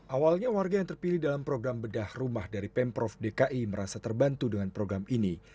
awalnya warga yang terpilih dalam program bedah rumah dari pemprov dki merasa terbantu dengan program ini